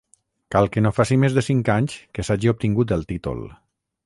Cal que no faci més de cinc anys que s'hagi obtingut el títol.